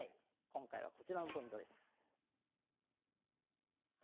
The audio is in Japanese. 今回はこちらのポイントです。